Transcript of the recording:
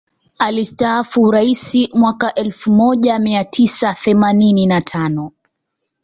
alistafu uraisi mwaka elfu moja mia tisa themanini na tano